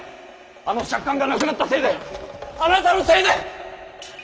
あの借款がなくなったせいであなたのせいで。